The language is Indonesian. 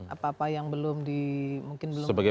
apa apa yang belum di mungkin belum